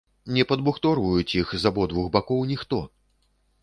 Не падбухторваюць іх з абодвух бакоў ніхто!